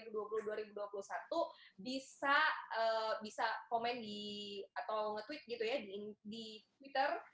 di bisa komen di atau nge tweet gitu ya di twitter